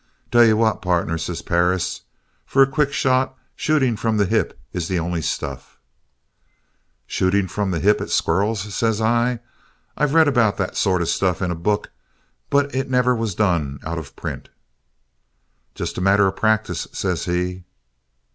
"'Tell you what, partner,' says Perris, 'for a quick shot, shooting from the hip is the only stuff.' "'Shooting from the hip at squirrels?' says I. 'I've read about that sort of stuff in a book, but it never was done out of print.' "'Just a matter of practice,' says he.